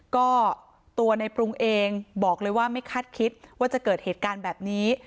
ก็ตัวในปรุงเองบอกเลยว่าไม่คาดคิดว่าจะเกิดเหตุการณ์แบบนี้